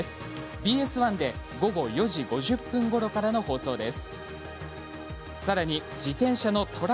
ＢＳ１で午前９時５５分ごろからの放送です。